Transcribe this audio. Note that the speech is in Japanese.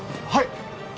はい！